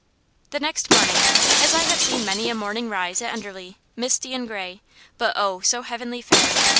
The next morning rose, as I have seen many a morning rise at Enderley misty and grey; but oh, so heavenly fair!